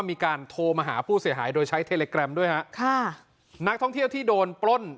มีการโทรมาหาผู้เสียหายโดยใช้เทเลแกรมด้วยฮะค่ะนักท่องเที่ยวที่โดนปล้น